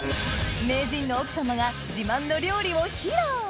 名人の奥様が自慢の料理を披露！